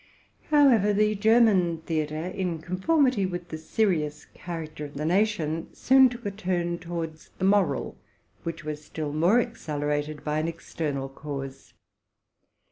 However, the German theatre, in conformity with the serious character of the nation, soon took a turn towards the moral, which was still more accelerated by an external cause.